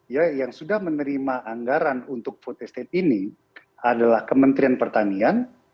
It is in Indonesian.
ya yang sudah menerima anggaran untuk putus state ini adalah kementrian pertanian